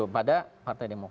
pada partai demokrat